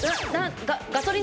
ガソリン？